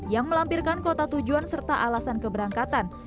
yang melampirkan kota tujuan serta alasan keberangkatan